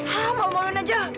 hah mau mauin aja